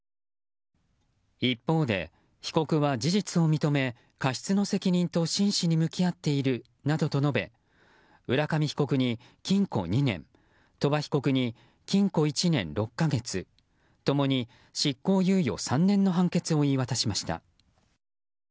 一方で、被告は事実を認め過失の責任と真摯に向き合っているなどと述べ浦上被告に禁錮２年鳥羽被告に禁固１年６か月共に執行猶予３年の判決を言い渡しました。